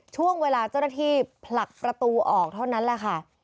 ช่วงเวลาเจ้าหน้าที่ผลักประตูออกเท่านั้นแหละค่ะ